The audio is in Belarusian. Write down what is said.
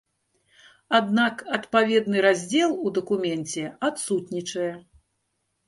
Аднак адпаведны раздзел у дакуменце адсутнічае.